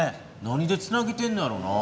何でつなげてんのやろうな？